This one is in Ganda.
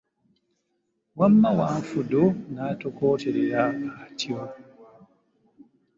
Wamma Wanfudu n’atokooterera atyo.